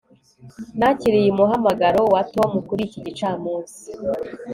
nakiriye umuhamagaro wa tom kuri iki gicamunsi